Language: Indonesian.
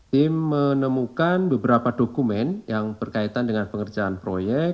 tim menemukan beberapa dokumen yang berkaitan dengan pengerjaan proyek